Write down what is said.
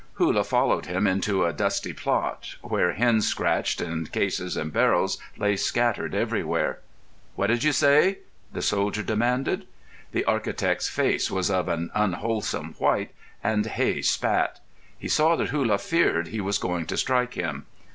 Hullah followed him into a dusty plot, where hens scratched and cases and barrels lay scattered everywhere. "What did you say?" the soldier demanded. The architect's face was of an unwholesome white, and Hey spat. He saw that Hullah feared he was going to strike him.